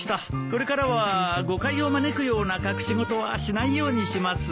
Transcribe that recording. これからは誤解を招くような隠し事はしないようにします。